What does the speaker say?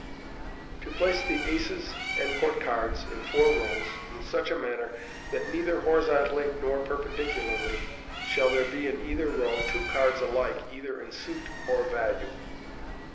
To Place thb Aces and Court Cards in Four Rows, is g JCH A MANNER THAT NEITHER HORIZONTALLY NOR PERPENDICU LARLY SHALL THERB BB IN BITHER Row TWO CARDS ALIKB sither in Suit or Value.